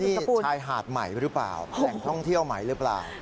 นี่ชายหาดใหม่หรือเปล่าแหล่งท่องเที่ยวใหม่หรือเปล่า